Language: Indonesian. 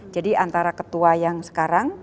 jadi antara ketua yang sekarang